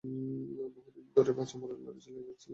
বহুদিন ধরে বাঁচা-মরার লড়াই চালিয়ে যাচ্ছিলে।